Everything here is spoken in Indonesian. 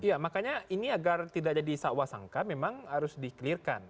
ya makanya ini agar tidak jadi seuah sangka memang harus di clearkan